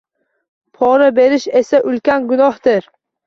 Pora berish esa ulkan gunohdir.